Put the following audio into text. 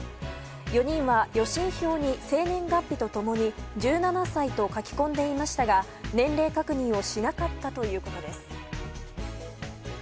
４人は予診票に生年月日と共に１７歳と書き込んでいましたが年齢確認をしなかったということです。